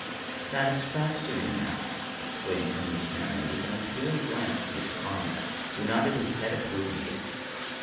"Satisfactory enow," exclaimed Tim the Snammer, with an appealing glance to his comrade, who nodded his head approvingly.